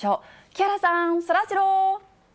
木原さん、そらジロー。